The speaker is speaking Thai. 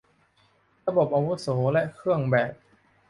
ระบบอาวุโส และเครื่องแบบ